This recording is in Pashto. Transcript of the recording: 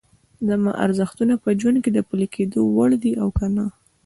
زما ارزښتونه په ژوند کې د پلي کېدو وړ دي او که نه؟